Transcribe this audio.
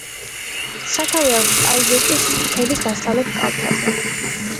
სათავე აქვს ტაიგეტის მთების დასავლეთ კალთაზე.